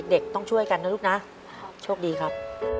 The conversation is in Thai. เด็กต้องช่วยกันนะลูกนะช่วงดีครับ